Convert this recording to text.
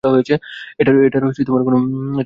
এটার কোন মানে হয়না।